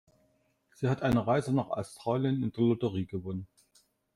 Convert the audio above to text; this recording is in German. Sie hat eine Reise nach Australien in der Lotterie gewonnen.